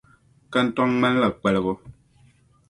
Kantɔŋ ŋmani la kpaligu.